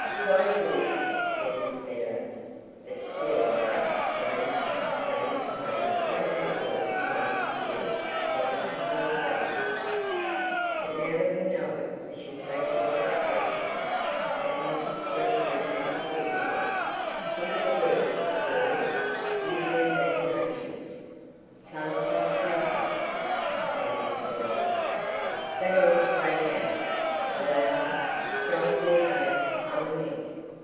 "Quite good," said Miss Meadows, but still in such a strange, stony tone that the younger girls began to feel positively frightened. "But now that we know it, we shall take it with expression. As much expression as you can put into it. Think of the words, girls. Use your imaginations. Fast! Ah, too Fast," cried Miss Meadows. "That ought to break out—a loud, strong forte—a lament.